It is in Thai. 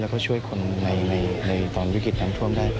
แล้วก็ช่วยคนในตอนวิกฤตน้ำท่วมได้